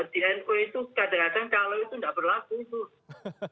di nku itu kadang kadang kalau itu tidak berlaku